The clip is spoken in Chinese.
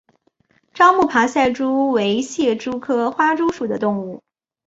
樟木爬赛蛛为蟹蛛科花蛛属的动物。